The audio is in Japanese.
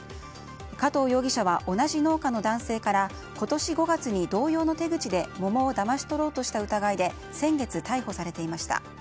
加藤容疑者は同じ農家の男性から今年５月に同様の手口で桃をだまし取ろうとした疑いで先月、逮捕されていました。